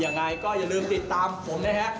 อย่างไรก็อย่าลืมติดตามผมนะครับ